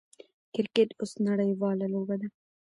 کرکټ اوس نړۍواله لوبه ده.